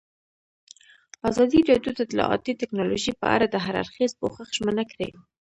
ازادي راډیو د اطلاعاتی تکنالوژي په اړه د هر اړخیز پوښښ ژمنه کړې.